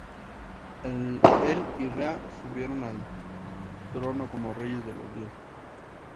Él y Rea subieron al trono como reyes de los dioses.